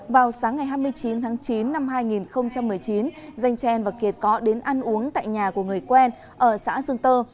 vào sáng ngày hai mươi chín tháng chín năm hai nghìn một mươi chín danh trang và kiệt có đến ăn uống tại nhà của người quen ở xã dương tơ